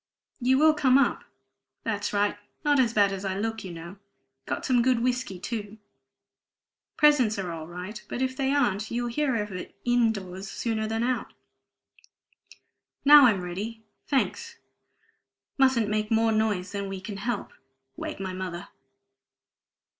You will come up? That's right! Not as bad as I look, you know. Got some good whiskey, too. Presents are all right; but if they aren't you'll hear of it in doors sooner than out. Now I'm ready thanks! Mustn't make more noise than we can help wake my mother."